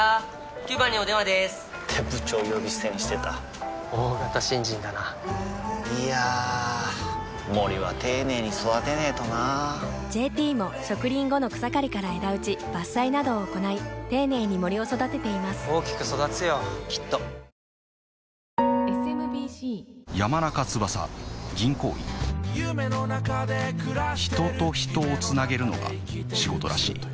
９番にお電話でーす！って部長呼び捨てにしてた大型新人だないやー森は丁寧に育てないとな「ＪＴ」も植林後の草刈りから枝打ち伐採などを行い丁寧に森を育てています大きく育つよきっとトヨタイムズの富川悠太です